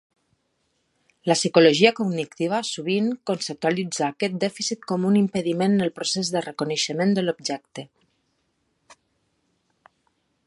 La psicologia cognitiva sovint conceptualitza aquest dèficit com un impediment en el procés de reconeixement de l'objecte.